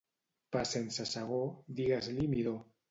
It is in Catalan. Pa sense segó, digues-li midó.